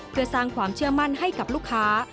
เพื่อสร้างความเชื่อมั่นให้กับลูกค้า